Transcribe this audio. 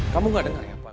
kamu gak dengar ya pak